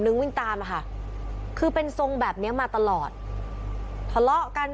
วิ่งตามอะค่ะคือเป็นทรงแบบเนี้ยมาตลอดทะเลาะกัน